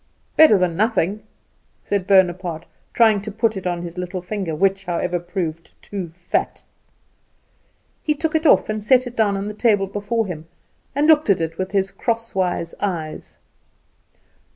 "Better than nothing!" said Bonaparte, trying to put it on his little finger, which, however, proved too fat. He took it off and set it down on the table before him, and looked at it with his crosswise eyes.